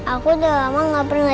aku udah lama gak pernah